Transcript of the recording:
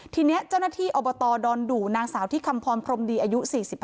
ทีนี้เจ้าหน้าที่อบตดอนดู่นางสาวที่คำพรพรมดีอายุ๔๕